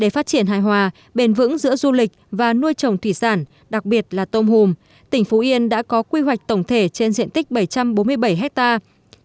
vịnh xuân đài đã có quy hoạch tổng thể trên diện tích bảy trăm bốn mươi bảy hectare